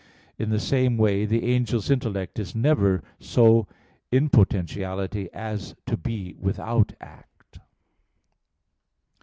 In the same way, the angel's intellect is never so in potentiality as to be without act.